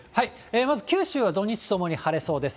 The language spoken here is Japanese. まず、九州は土日ともに晴れそうです。